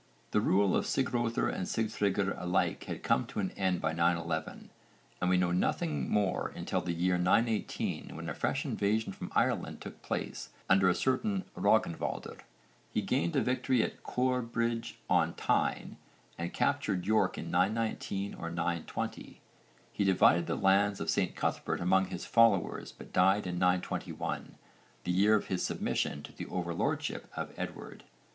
The rule of Sigröðr and Sigtryggr alike had come to an end by 911 and we know nothing more until the year 918 when a fresh invasion from Ireland took place under a certain Rögnvaldr. He gained a victory at Corbridge on Tyne and captured York in 919 or 920. He divided the lands of St Cuthbert among his followers but died in 921, the year of his submission to the overlordship of Edward.